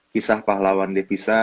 kisah pahlawan devisa